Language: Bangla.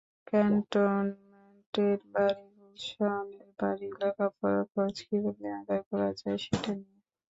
ক্যান্টনমেন্টের বাড়ি, গুলশানের বাড়ি, লেখাপড়ার খরচ কীভাবে আদায় করা যায়, সেটা নিয়ে।